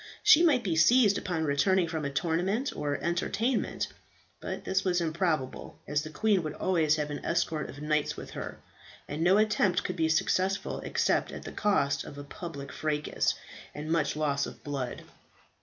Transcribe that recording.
She might be seized upon returning from a tournament or entertainment; but this was improbable, as the queen would always have an escort of knights with her, and no attempt could be successful except at the cost of a public fracas and much loss of blood.